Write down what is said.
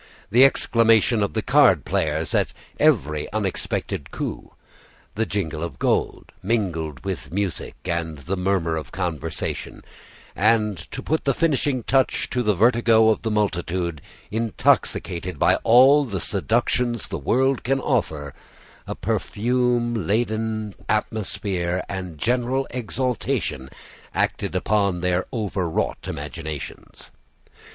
The exclamation of the card players at every unexpected coup, the jingle of gold, mingled with music and the murmur of conversation; and to put the finishing touch to the vertigo of that multitude, intoxicated by all the seductions the world can offer, a perfume laden atmosphere and general exaltation acted upon their over wrought imaginations.